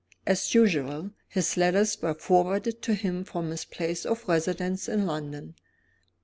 As usual, his letters were forwarded to him from his place of residence in London.